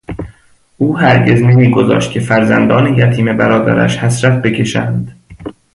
او هزگز نمیگذاشت که فرزندان یتیم برادرش، عسرت بکشند.